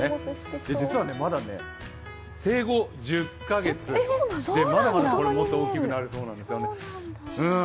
実はまだ生後１０か月で、まだまだ大きくなるそうなんです。